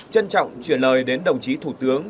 trân trọng chuyển lời đến đồng chí thủ tướng